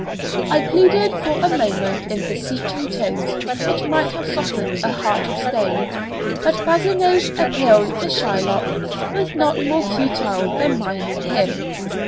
I pleaded for a moment in beseeching tones which might have softened a heart of stone, but Bassanio's appeal to Shylock was not more futile than mine to him.